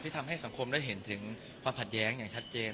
ทำให้สังคมได้เห็นถึงความขัดแย้งอย่างชัดเจน